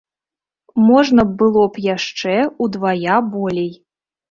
Можна было б яшчэ ўдвая болей.